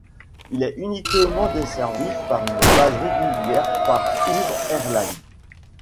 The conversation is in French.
Il est uniquement desservi sur une base régulière par Our airline.